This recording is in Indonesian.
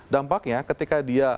dampaknya ketika dia